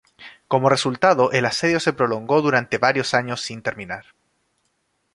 Como resultado, el asedio se prolongó durante varios años sin terminar.